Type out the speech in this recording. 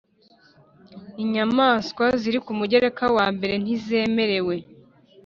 inyamaswa ziri ku mugereka wa mbere ntizemerewe